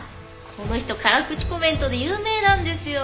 この人辛口コメントで有名なんですよ。